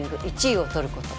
１位を取ること